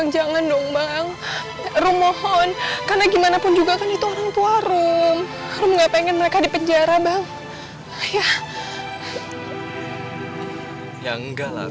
ya enggak lah bung